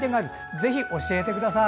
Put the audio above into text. ぜひ教えてください。